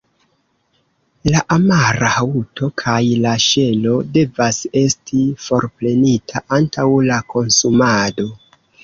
La amara haŭto kaj la ŝelo devas esti forprenita antaŭ la konsumado.